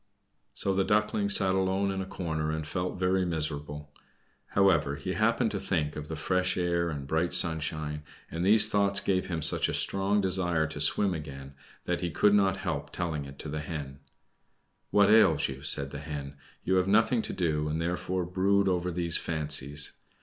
So the Duckling sat alone in a corner, and felt very miserable. However, he happened to think of the fresh air and bright sunshine, and these thoughts gave him such a strong desire to swim again, that he could not help telling it to the Hen. "What ails you?" said the Hen. "You have nothing to do, and therefore brood over these fancies.